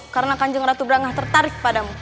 karena kanjeng ratu berangah tertarik padamu